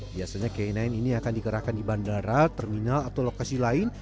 biasanya k sembilan ini akan dikerahkan di bandara terminal atau lokasi lain